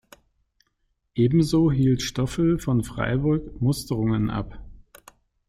Ebenso hielt Stoffel von Freiburg Musterungen ab.